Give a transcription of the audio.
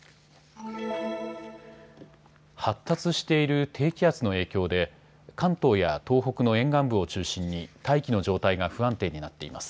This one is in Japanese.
発達している低気圧の影響で関東や東北の沿岸部を中心に大気の状態が不安定になっています。